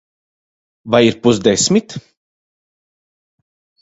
Vai ir pusdesmit?